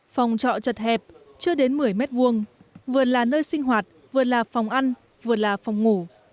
phòng trọ chật hẹp chưa đến một mươi m hai vừa là nơi sinh hoạt vừa là phòng ăn vừa là phòng ngủ